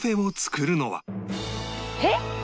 「えっ！？」